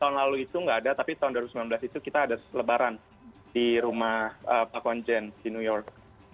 tahun lalu itu nggak ada tapi tahun dua ribu sembilan belas itu kita ada lebaran di rumah pak konjen di new york